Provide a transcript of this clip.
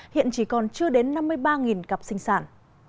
hiện chỉ còn chưa đến năm mươi ba cặp sinh sản